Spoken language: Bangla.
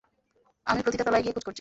আমি প্রতিটা তলায় গিয়ে খোঁজ করছি।